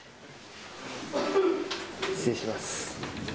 失礼します。